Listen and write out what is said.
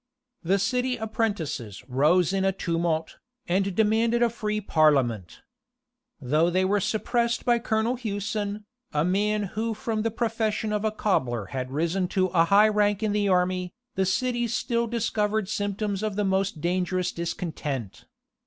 The city apprentices rose in a tumult, and demanded a free parliament. Though they were suppressed by Colonel Hewson, a man who from the profession of a cobbler had risen to a high rank in the army, the city still discovered symptoms of the most dangerous discontent.